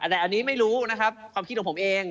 แต่อันนี้ไม่รู้นะครับความคิดของผมเอง